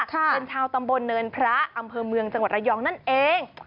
เป็นชาวตำบลเนินพระอำเภอเมืองจังหวัดระยองนั่นเอง